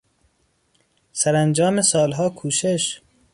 سرانجام سالها کوشش